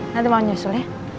nanti mau nyusul ya